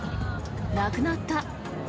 なくなった。